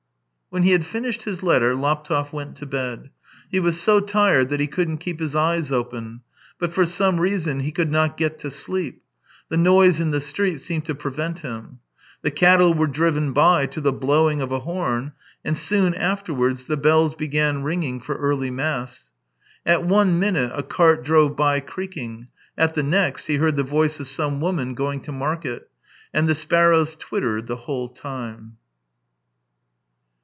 " When he had finished his letter Laptev went to bed. He was so tired that he couldn't keep his eyes open, but for some reason he could not get to sleep; the noise in the street seemed to prevent him. The cattle were driven by to the blowing of a horn, and soon afterwards the bells began ringing for early mass. At one minute a cart drove by creaking; at the next, he heard the voice of some woman going to market. And the sparrows twittered the whole time.